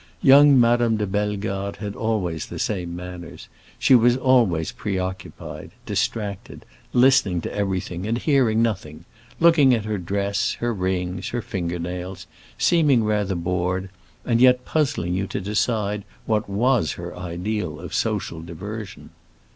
Young Madame de Bellegarde had always the same manners; she was always preoccupied, distracted, listening to everything and hearing nothing, looking at her dress, her rings, her finger nails, seeming rather bored, and yet puzzling you to decide what was her ideal of social diversion.